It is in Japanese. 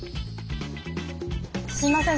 すいません。